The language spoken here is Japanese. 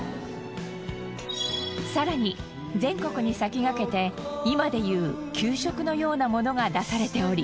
更に全国に先駆けて今でいう給食のようなものが出されており。